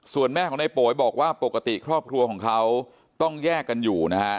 ส่วนแม่ของในโป๋ยบอกว่าปกติครอบครัวของเขาต้องแยกกันอยู่นะฮะ